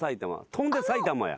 『翔んで埼玉』や。